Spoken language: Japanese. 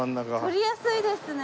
取りやすいですね。